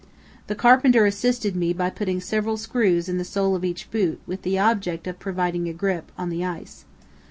The carpenter assisted me by putting several screws in the sole of each boot with the object of providing a grip on the ice.